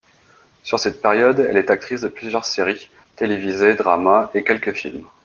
Sur cette période, elle est actrice de plusieurs séries télévisées drama, et quelques films.